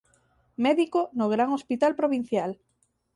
Médico no Gran Hospital Provincial.